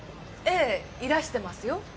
ええいらしてますよ。